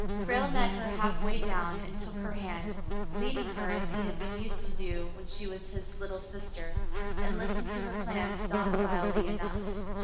Frale met her halfway down and took her hand, leading her as he had been used to do when she was his "little sister," and listened to her plans docilely enough.